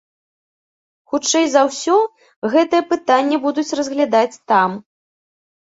Хутчэй за ўсё, гэтае пытанне будуць разглядаць там.